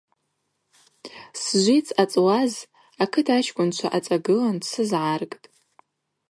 Сжвиц ъацӏуаз акыт ачкӏвынчва ацӏагылын дсызгӏаргтӏ.